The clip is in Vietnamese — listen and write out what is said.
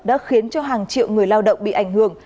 đã khiến cho hàng triệu người lao động bị ảnh hưởng